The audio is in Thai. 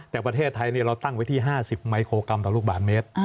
แต่ประเทศไทยเราตั้งไว้ที่๕๐มิโครกรัมต่อลูกบาทเมตร